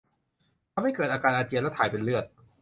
ทำให้เกิดอาการอาเจียนและถ่ายเป็นเลือด